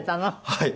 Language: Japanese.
はい。